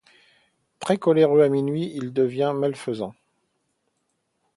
Très coléreux, à minuit, il devient malfaisant.